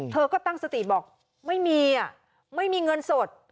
เธอก็ตั้งสติบอกไม่มีไม่มีเงินสด